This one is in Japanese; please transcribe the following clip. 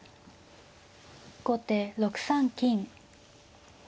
後手６三金。